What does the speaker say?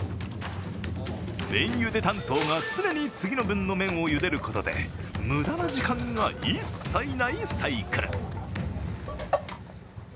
麺ゆで担当が常に次の分の麺をゆでることで無駄な時間が一切ないサイクル。